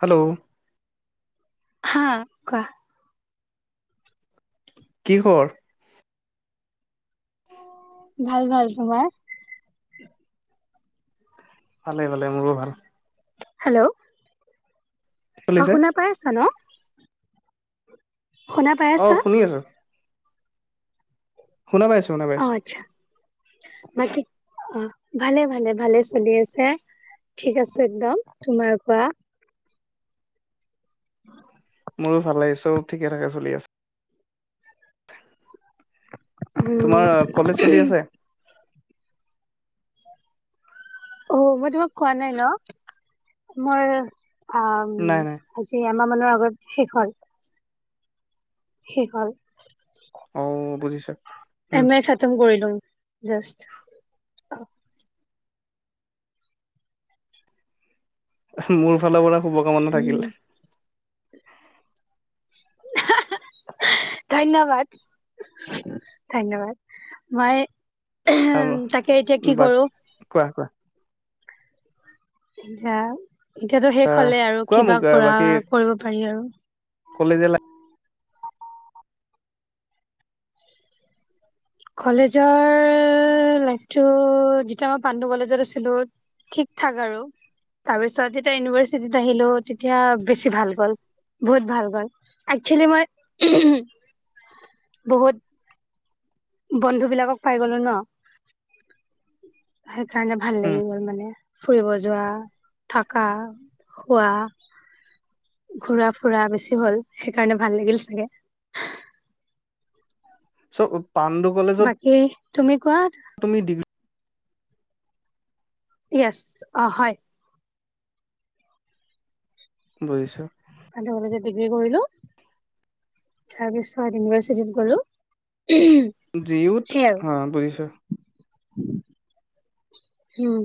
Hello হা কোৱা কি খবৰ ভাল ভাল তোমাৰ ভালে ভালে মোৰো ভাল হেল্ল' অ চলিছে? শুনা পাই আছা ন শুনা পাই অ আছা শুনি আছো শুনা পাইছো শুনা অ পাইছো আচ্ছা বাকী অ ভালে ভালে ভালে চলি আছে ঠিক আছে একদম তোমাৰ কোৱা মোৰো ভাল লাগে চব ঠিকে থাকে চলি আছে উম তোমাৰ কলেজ চলি আছে অ মই তোমাক কোৱা নাই ন মোৰ আ নাই নাই আজি আমাৰ মানৰ আগত শেষ হল শেষ হল অ বুজিছো উম এম এ খাটম কৰিলো জাষ্ট অ মোৰ ফালৰ পৰা শুভকামনা উম থাকিল [inaudible] ধন্যবাদ ধন্যবাদ মই তাকে, এতিয়া কি বা কৰোঁ? কোৱা কোৱা এতিয়া, এতিয়াতো শেষ হ'লে আৰু? কোৱা মোক কিবা কৰা, বাকী কৰিব পাৰি আৰু? কলেজীয়া লা কলেজৰ লাইফটো! যেতিয়া মই পাণ্ডু কলেজত আছিলোঁ ঠিক থঠাক আৰু। তাৰ পিছত, যেতিয়া ইউনিভাৰ্চিটিত আহিলোঁ, তেতিয়া বেছি ভাল গ'ল। বহুত ভাল গ'ল। একচ্ছলি মই বহুত বন্ধু বিলাকক পাই গ'লো ন? উ সেইকাৰণে ভাল লাগি গ'ল মানে, ফুৰিব যোৱা। থা, খোৱা। ঘুৰা ফুৰা বেছি হ'ল, সেইকাৰণে ভাল লাগিল চাগে। চ' পাণ্ডু কলেজত বাকী তুমি কোৱা তুমি ডিগ্ৰী য়েছ, অ', হয়। বুজিছোঁ। কলেজত ডিগ্ৰী কৰিলোঁ। তাৰপিছত ইউনিভাৰ্চিটিত গলোঁ। জি ইউ ত? হা, বুজিছোঁ। হম।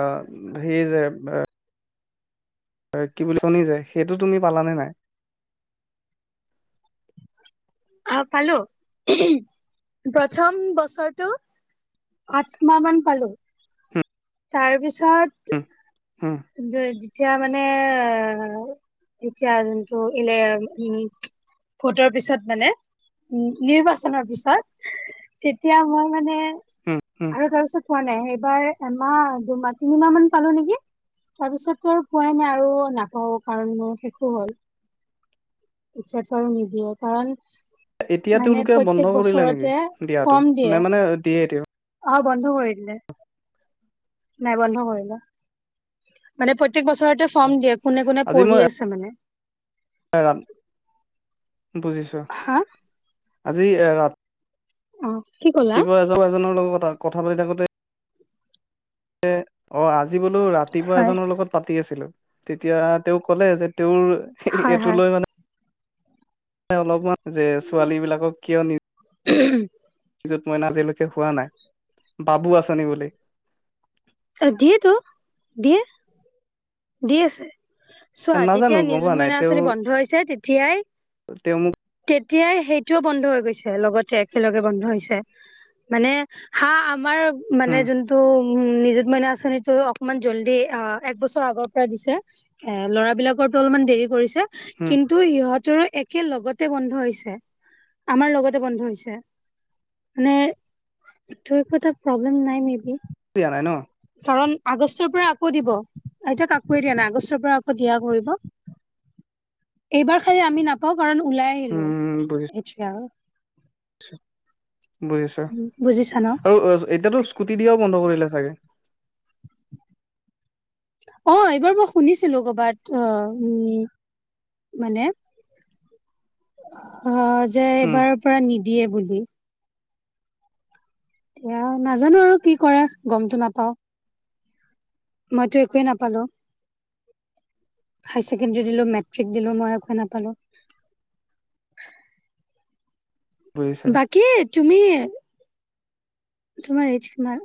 অ, সেই যে, [unintelligible] কি বুলি শুনি যায়। সেইটো তুমি পালানে নাই? আহ, পালো। প্ৰথম বছৰটো আঠ মাহমান পালোঁ। [unintelligible] তাৰপিছত, [unintelligible] উম এতিয়া মানে, এতিয়া [unintelligible] উম, ভোটৰ পিছত মানে, ও, নিৰ্বাচনৰ পিছত, তেতিয়া মই মানে উম উম আৰু তাৰপিছত হোৱা নাই। সেই এইবাৰ এমাহ, দুমাহ, তিনিমাহ মান পালোঁ নেকি? তাৰপিছত আৰু পোৱাই নাই। আৰু নাপাও কাৰণ মোৰ শেষো হ'ল। ইচ্ছাটো আৰু নিদিয়ে, কাৰণ এতিয়া মানে তেওঁলোকে বন্ধ প্ৰত্যয়েক কৰিলে নেকি বছৰতে দিয়াটো ফৰ্ম নে দিয়ে। মানে দিয়ে এতিয়া অ', বন্ধ কৰি দিলে। নাই, বন্ধ কৰিলে। মানে প্ৰ প্ৰত্যেক বছৰতে ফৰ্ম দিয়ে, কোনে কোনে পঢ়ি আছে মানে। [unintelligible] বুজিছোঁ।‌ হা আজি এ, ৰা, অ'। কি ক'লা? ৰাতিপুৱা এজক এজনৰ লগত কথা পাতি থাকোঁতে অ', আজি বোলো, ৰাতিপুৱা হয় এজনৰ লগত পাতি আছিলোঁ। তেতিয়া, তেওঁ ক'লে যে, তেওঁৰ সেই, হয় এইটো হয় লৈ মানে, অলপমান যে, ছোৱালী বিলাকক কিয় নি উম য'ত [unintelligible] আজিলৈকে হোৱা নাই, বাবু আঁচনি বুলি। [unintelligible] দিয়েটো। দিয়ে। দি আছে। চোৱা নাজানো যেতিয়া গম নিযুত পোৱা নাই মইনা তেওঁ আঁচনি বন্ধ হৈছে, তেতিয়াই তেওঁ মোক এতিয়াই সেইটোও বন্ধ হৈ গৈছে। লগতে একেলগে বন্ধ হৈছে। মানে হাঁ, আমাৰ মানে উম যোনটো উম, নিযুত মইনা আঁচনিটো অকনমান জল্দি, আ, এক বছৰ আগৰ [unintelligible] দিছে। এ, ল'ৰাবিলকৰটো অলপমান দেৰি কৰিছে। হম কিন্তু সিহঁতৰ এক খেই লগতে বন্ধ হৈছে। আমাৰ লগতে বন্ধ হৈছে। মানে তোৰ ক প্ৰব্লেম নাই মে িয় নাই ন কাৰণ আগষ্টৰ পৰা আকৌ দিব এতাক আক দিয়া নাই আগষ্টৰ পৰা আকৌ দিয়া কৰিব এইবাৰ খালি আমি নাপাওঁ কাৰণ ওলাই আহিলো এইটো আৰু আচছা বুজিছা বুজিছা ন আৰু এতিয়াতো স্কুটি দিয়াও বন্ধ কৰিলে চাগে [unintelligible] অ এইবাৰ মই শুনিছিলো কৰ'বাত আহ উম মানে অ যে উম এইবাৰৰ পৰা নিদিয়ে বুলি এতিয়া নাজানো আৰু কি কৰে গমটো নাপাও মইতো একোৱে নাপালো হাই ছেকেণ্ডৰী দিলো মেট্ৰিক দিলো মই একোৱেই নাপালো বুজিছো বাকী তুমি তোমাৰ এইজ কিমাৰ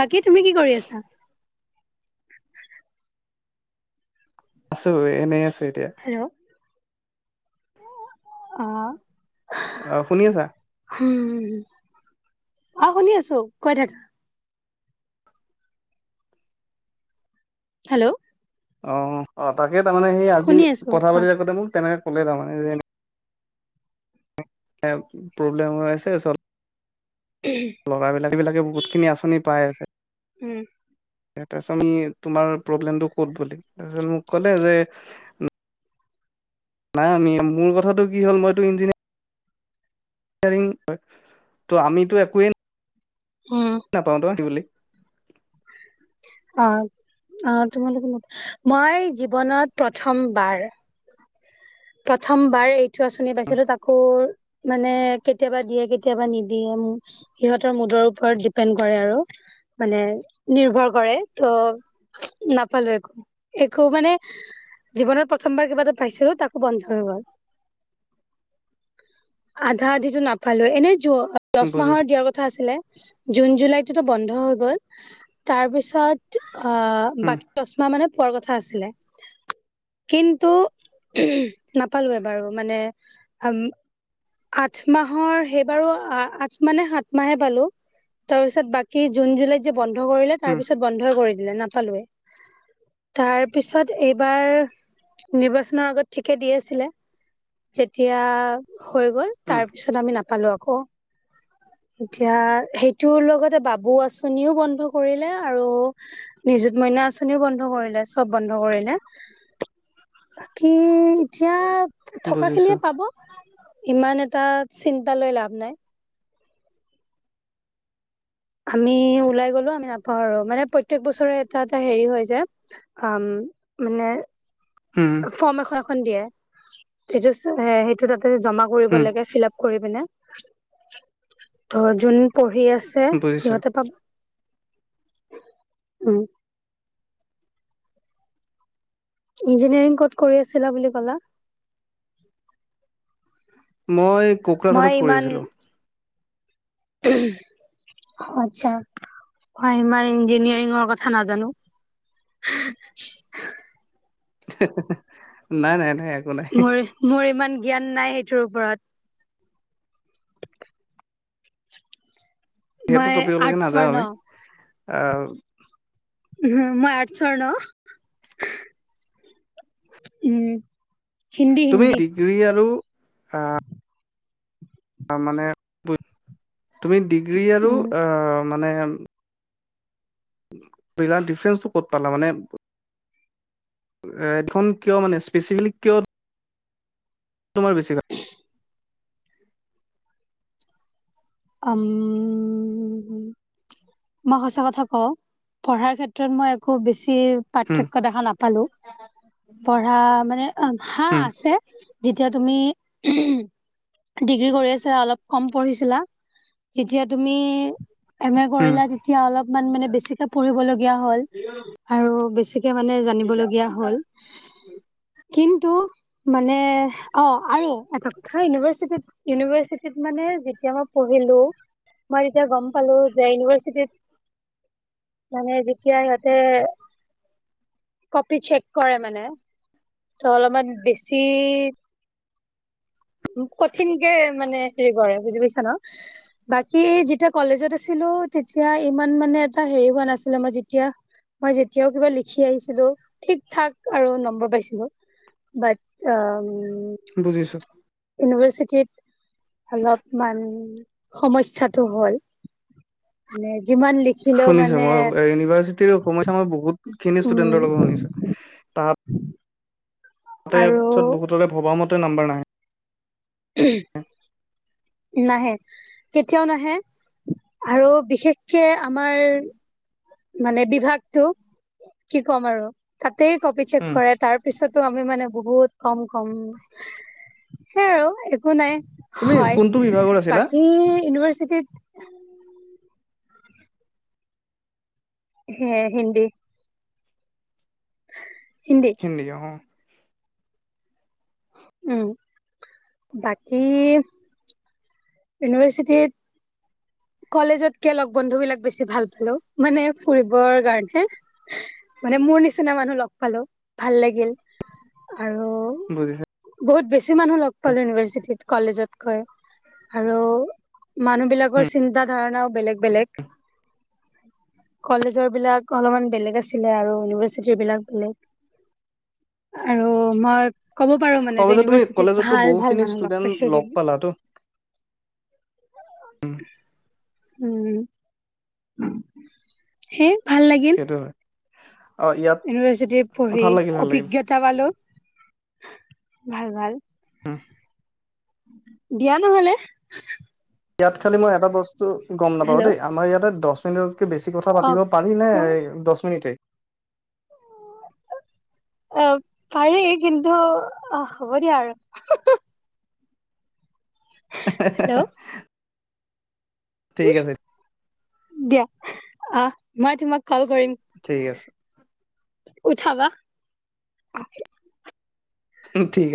বাকী তুমি কি কৰি আছা আছো এনেই আছো এতিয়া উম আহ শুনি আছা উম অ শুনি আছো কৈ দাদা হেল্ল' অ অ তাকে তাৰমানে সেই আজি শুনি আছো কথা কোৱা পাতি থাকতে মোক তেনেকে ক'লে তাৰমানে প্ৰব্লেম হৈ আছে চল ল'ৰাবিলাক এইবিলাকে বহুতখিনি আঁচনি পাই আছে উম তাৰপিছত আমি তোমাৰ প্ৰব্লেমটো ক'ধ বুলি তাৰপিছত মোক ক'লে যে নাই আমি মোৰ কথাটো কি হ'ল মইতো ইঞ্জিনিয়াৰ ত আমিতো একোৱে নাই উম নাপাওঁ তোতিব বুলি উ অ অ তোমালোকে মই জীৱনত প্ৰথমবাৰ প্ৰথম বাৰ এইটো আচনি পাইছিলো তাকো মানে কেতিয়াবা দিয়ে কেতিয় কেতিয়াবা নিদিয়ে সিহঁতৰ মুদৰ ওপৰত ডিপেণ্ড কৰে আৰু মানে নিৰ্ভৰ কৰে ত নাপালো একো একো মানে জীৱনত প্ৰথমবাৰ কিবা এটা পাইছিলো তাক বন্ধ হৈ গল আধা আধিটো নাপালো এনে টো দহ মাহৰ বুজিছো দিয়াৰ কথা আছিলে জুন জুলাইততো বন্ধ হৈ গ'ল তাৰপিছত আহ উম বাকী ৰশমা মানে পোৱাৰ কথা আছিলে কিন্তু নাপালোে বাৰু মানে আঠ মাহৰ সেইবাৰো আঠ মানে সাত মাহে পালো তাৰপিছত বাকী জুন জুলাইত যে বন্ধ কৰিলে তাৰ উম পিছত বন্ধই কৰি দিলে নাপালেই তাৰ পিছত এইবাৰ নিৰ্বাচনৰ আগত ঠিকে দি আছিলে যেতিয়া হৈ গ'ল তাৰ উম পিছত আমি নাপালো আকৌ এতিয়া সেইটোৰ লগতে বাবু আচনিও বন্ধ কৰিলে আৰু নিজুত মইনা আঁচনিও বন্ধ কৰিলে চব বন্ধ কৰিলে [unintelligible] বাকী এতিয়া থকা বুজিছো খিনিয়ে পাব ইমান এটা চিন্তালৈ লাভ নাই আমি ওলাই গ'লো আমি নাপাওঁ আৰু মানে প্ৰত্য়েক বছৰে এটা এটা হেৰি হয় যে আ মানে উম ফ্ৰম এখন-এখন দিয়ে। এইটো চে সেইটো জমা কৰিব উম লাগে ফিলাপ, পিনে ত যোন পঢ়ি আছে বুজিছো সিহঁতে পাব। উম, ইঞ্জিনিয়াৰিং কত কৰি আছিলা বুলি কলা? মই কোকৰাঝাৰত কৰি আছিলো। উ [unintelligible] আচ্ছা, হয় ইমান ইঞ্জিনিয়াৰিঙৰ কথা নাজানো। [inaudible] নাই-নাই-নাই, মোৰ-মোৰ ইমান জ্ঞান নাই সেইটোৰ ওপৰত। সেইটো মই টপিবলৈকে আৰ্টছৰ নাযাওঁ আমি অহ, উম, মই আঠছ ন উম, হিন্দী তুমি হিন্দী। ডিগ্ৰী আৰু আঁহ, মানে তুমি ডিগ্ৰী আৰু উম, আ মানে পেৰা ডিফাৰেন্ঞ্চটো ক'ত পালা মানে। এ ধন কিয় মানে স্পেচিফিলি কিয়? তোমাৰ বেছি ভাল। উম, মই সঁচা কথা কওঁ পঢ়াৰ ক্ষেত্ৰত মই আকো বেছি উম, পাৰ্থক্য দেখা নাপালো। পঢ়া মানে হা উম, আছে যেতিয়া তুমি ডিগ্ৰী কৰি আছা অলপ কম পঢ়িছিলা তেতিয়া তুমি, এম এ উম, কৰিলো তেতিয়া অলপমান মানে বেছিকে পঢ়িবলগীয়া হ'ল আৰুে। মানে জানিবলগীয়া হ'ল কিন্ত হয় [inaudible] মানে অ' আৰু এটা কথা ইউনিভাৰ্চিট-ইউনিভাৰ্চিটিত মানে যেতিয়া মই পঢহিলো মই তেতিয়া গম পালো যে ইউনিভাৰ্চিটিত মানে যেতিয়া সিহতে, কপি চেক কৰে মানে ত' অলপমান বেছি কঠিনকে মানে হেৰি কৰে বুজি পাইছা ন। বাকী যিটো কলেজ আছি ছিলো তেতিয়া ইমান মানে এটা হেৰি হোৱা নাছিলে মই যেতিয়া। মই যেতিয়াও কিবা লিখি আহিছিলো ঠিক থঠাক আৰু নম্বৰ পাইছিলো। বাত অ', বুজিছো। ইউনিভাৰ্চিটিত অলপ মান সমস্যাটো হ'ল। মানে যিমান লিখিলেও শুনিছো মানে মই ইউনিভাৰ্চিটিৰ সমস্যা মই বহুত খিনি উম ষ্টুডেন্টৰ লগত শুনিচো তাত তাতে আৰু পিছত বহুতৰে ভবা মতে নাম্বাৰ নাহে। নাহে কেতিয়াও নাহে। আৰু বিশেষকে আমাৰ মানে বিভাগতটো কি ক'ম আৰু তাতে কপি চেক উম, কৰে তাৰ পিছত টো আমি মানে বহুত কম-কম সেইয় আৰু একো নাই। তুমি কোনটো হয় বিভাগৰ আছিলা? বাকী ইউনিভাৰ্চিটিত হে হিন্দি। হিন্দিয় অ, উম, বাকী ইউনিভাৰ্চিটি। কলেজতকে লগ বন্ধু বিলাক বেছি ভাল পালো। মানে ফুৰিবৰ কাৰণে মানে মোৰ নিচিনা মানুহ লগ পালো, ভাল লাগিল। আৰু বুজিছো। বহুত বেছি মানুহ লগ পালো ইউনিভাৰ্চিটিত, কলেজত। আৰু মানুহ বিলাকৰ- চিন্তা ধাৰণাও বেলেগ-বেলেগ। কলেজৰ বিলাক অলপমান বেলেগ আছিলে আৰু ইউনিভাৰ্চিটিৰ বিলাক বেলেগ। আৰু মই ক'ব পাৰো মানে যে তাৰপিছত তুমি ইউনিভাৰ্চিটিত কলেজতকৈ ভাল-ভাল বহুখিনি মানুহ লগ ষ্টুডেন্ট পাইছো যে পালাতো উম, সেই- সেইটো হয় অ' ইয়াত ইউনিভাৰ্চিটি পঢ়ি ভাল লাগিল ভাল লাগিল। অভিজ্ঞতা পালো। ভাল-ভাল। উম দিয়া নহলে। ইয়াত খালি মই এটা বস্তু গম নাপাওঁ হেল্ল' দেই, আমাৰ ইয়াতে দশ মিনিট- বেছি কথা অ পাতিব পাৰিনে, ক এ, দশ মিনিটে? [inaudible] অ' পাৰি কিন্তু আহ হ'ব দিয়া আৰু হা! হা! হে হে হে হে! হেল্ল' ঠিক আছে। দিয়া। অহ' মই তোমাক কল কৰিম। ঠিক আছে উঠাবা। ঠিক আ-